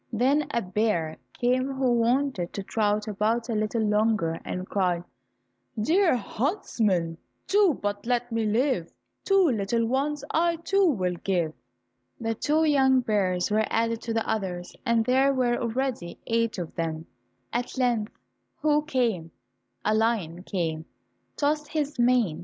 Then a bear came who wanted to trot about a little longer, and cried: "Dear huntsman, do but let me live, Two little ones I, too, will give." The two young bears were added to the others, and there were already eight of them. At length who came? A lion came, and tossed his mane.